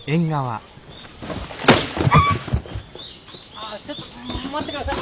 ・ああちょっと待って下さい！